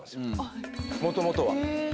もともとは。